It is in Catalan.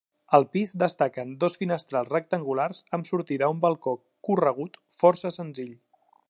Al pis destaquen dos finestrals rectangulars amb sortida a un balcó corregut força senzill.